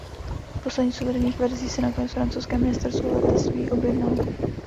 Poslední z uvedených verzí si nakonec francouzské ministerstvo letectví objednalo.